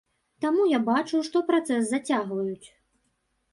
Таму я бачу, што працэс зацягваюць.